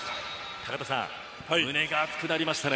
高田さん、胸が熱くなりましたね。